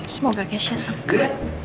semoga kesya sempet